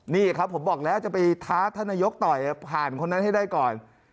นี่ครับผมบอกแล้วจะไปท้าท่านนายกต่อยผ่านคนนั้นให้ได้ก่อน